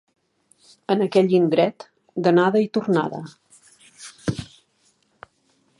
En aquell indret, d'anada i tornada.